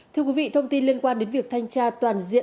thưa quý vị thông tin liên quan đến việc thanh tra toàn diện